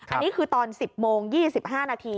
อันนี้คือตอน๑๐โมง๒๕นาที